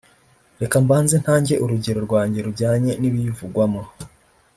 reka mbanze ntange urugero rwanjye rujyanye n’ibiyivugwamo